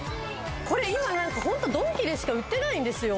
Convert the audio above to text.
これ今何かホントドンキでしか売ってないんですよ